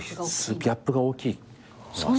ギャップが大きい。